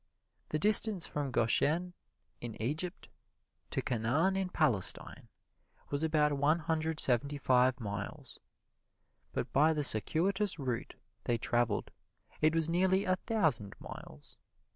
The distance from Goshen in Egypt to Canaan in Palestine was about one hundred seventy five miles. But by the circuitous route they traveled it was nearly a thousand miles.